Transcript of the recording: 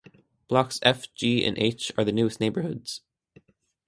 Blocks F, G and H are the newest neighbourhoods.